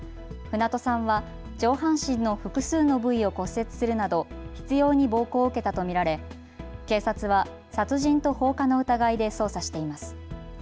船戸さんは上半身の複数の部位を骨折するなど執ように暴行を受けたと見られ警察は殺人と放火の疑いで捜査しています。